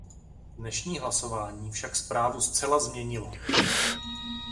Dnešní hlasování však zprávu zcela změnilo.